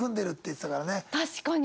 確かに！